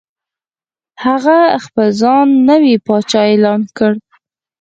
هغه خپل ځان نوی پاچا اعلان کړ.